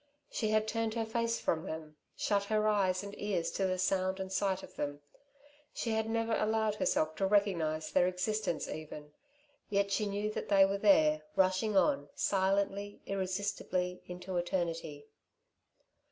She had turned her face from them, shut her eyes and ears to the sight and sound of them. She had never allowed herself to recognise their existence even; yet she knew that they were there, rushing on, silently, irresistibly into eternity.